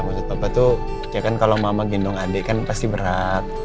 maksud bapak tuh ya kan kalau mama gendong adik kan pasti berat